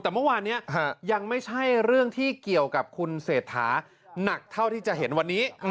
แต่เมื่อวานนี้ยังไม่ใช่เรื่องที่เกี่ยวกับคุณเศรษฐาหนักเท่าที่จะเห็นวันนี้